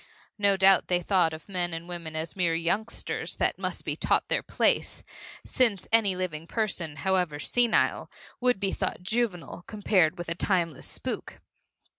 No doubt they thought of men and women as mere youngsters that must be taught their place, since any living person, however senile, would be thought juvenile compared with a timeless spook.